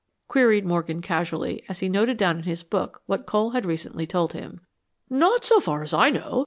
queried Morgan, casually, as he noted down in his book what Cole had recently told him. "Not so far as I know.